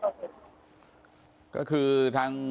ที่เกิดขึ้นตรงนี้